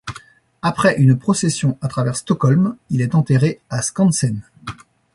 Après une procession à travers Stockholm, il est enterré à Skansen.